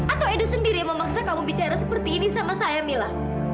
atau edo sendiri yang memaksa kamu bicara seperti ini sama saya mila